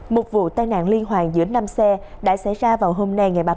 một vụ tai nạn liên hoàn giữa năm xe đã xảy ra vào hôm nay